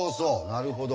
なるほど。